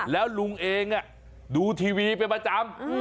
แล้วลุงเองดูทีวีเป็นประจำ